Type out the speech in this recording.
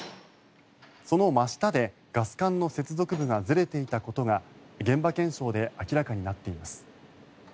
その真下でガス管の接続部がずれていたことが現場検証で明らかになっています。